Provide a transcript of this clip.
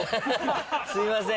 すいません！